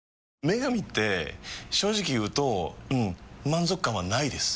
「麺神」って正直言うとうん満足感はないです。